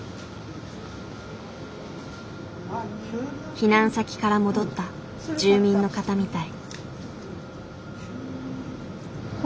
避難先から戻った住民の方みたい。